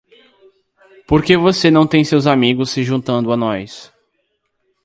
Por que você não tem seus amigos se juntando a nós?